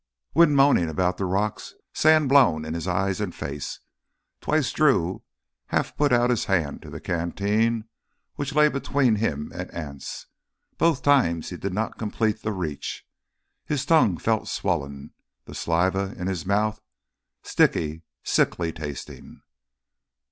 Wind moaning about the rocks, sand blown in eyes and face. Twice Drew half put out his hand to the canteen which lay between him and Anse. Both times he did not complete the reach. His tongue felt swollen, the saliva in his mouth sticky, sickly tasting.